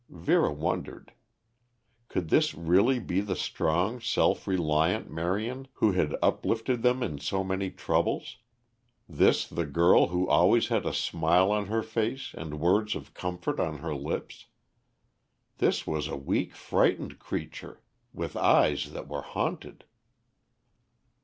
Vera wondered. Could this really be the strong, self reliant Marion who had uplifted them in so many troubles, this the girl who always had a smile on her face and words of comfort on her lips? This was a weak, frightened creature, with eyes that were haunted.